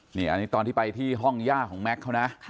นี่อันนี้ตอนที่ไปที่ห้องย่าของแม็กซ์เขานะ